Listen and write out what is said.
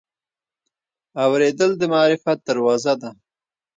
اورېدل د معرفت دروازه ده.